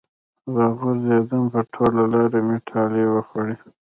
راغورځېدم په ټوله لاره مې ټالۍ وخوړې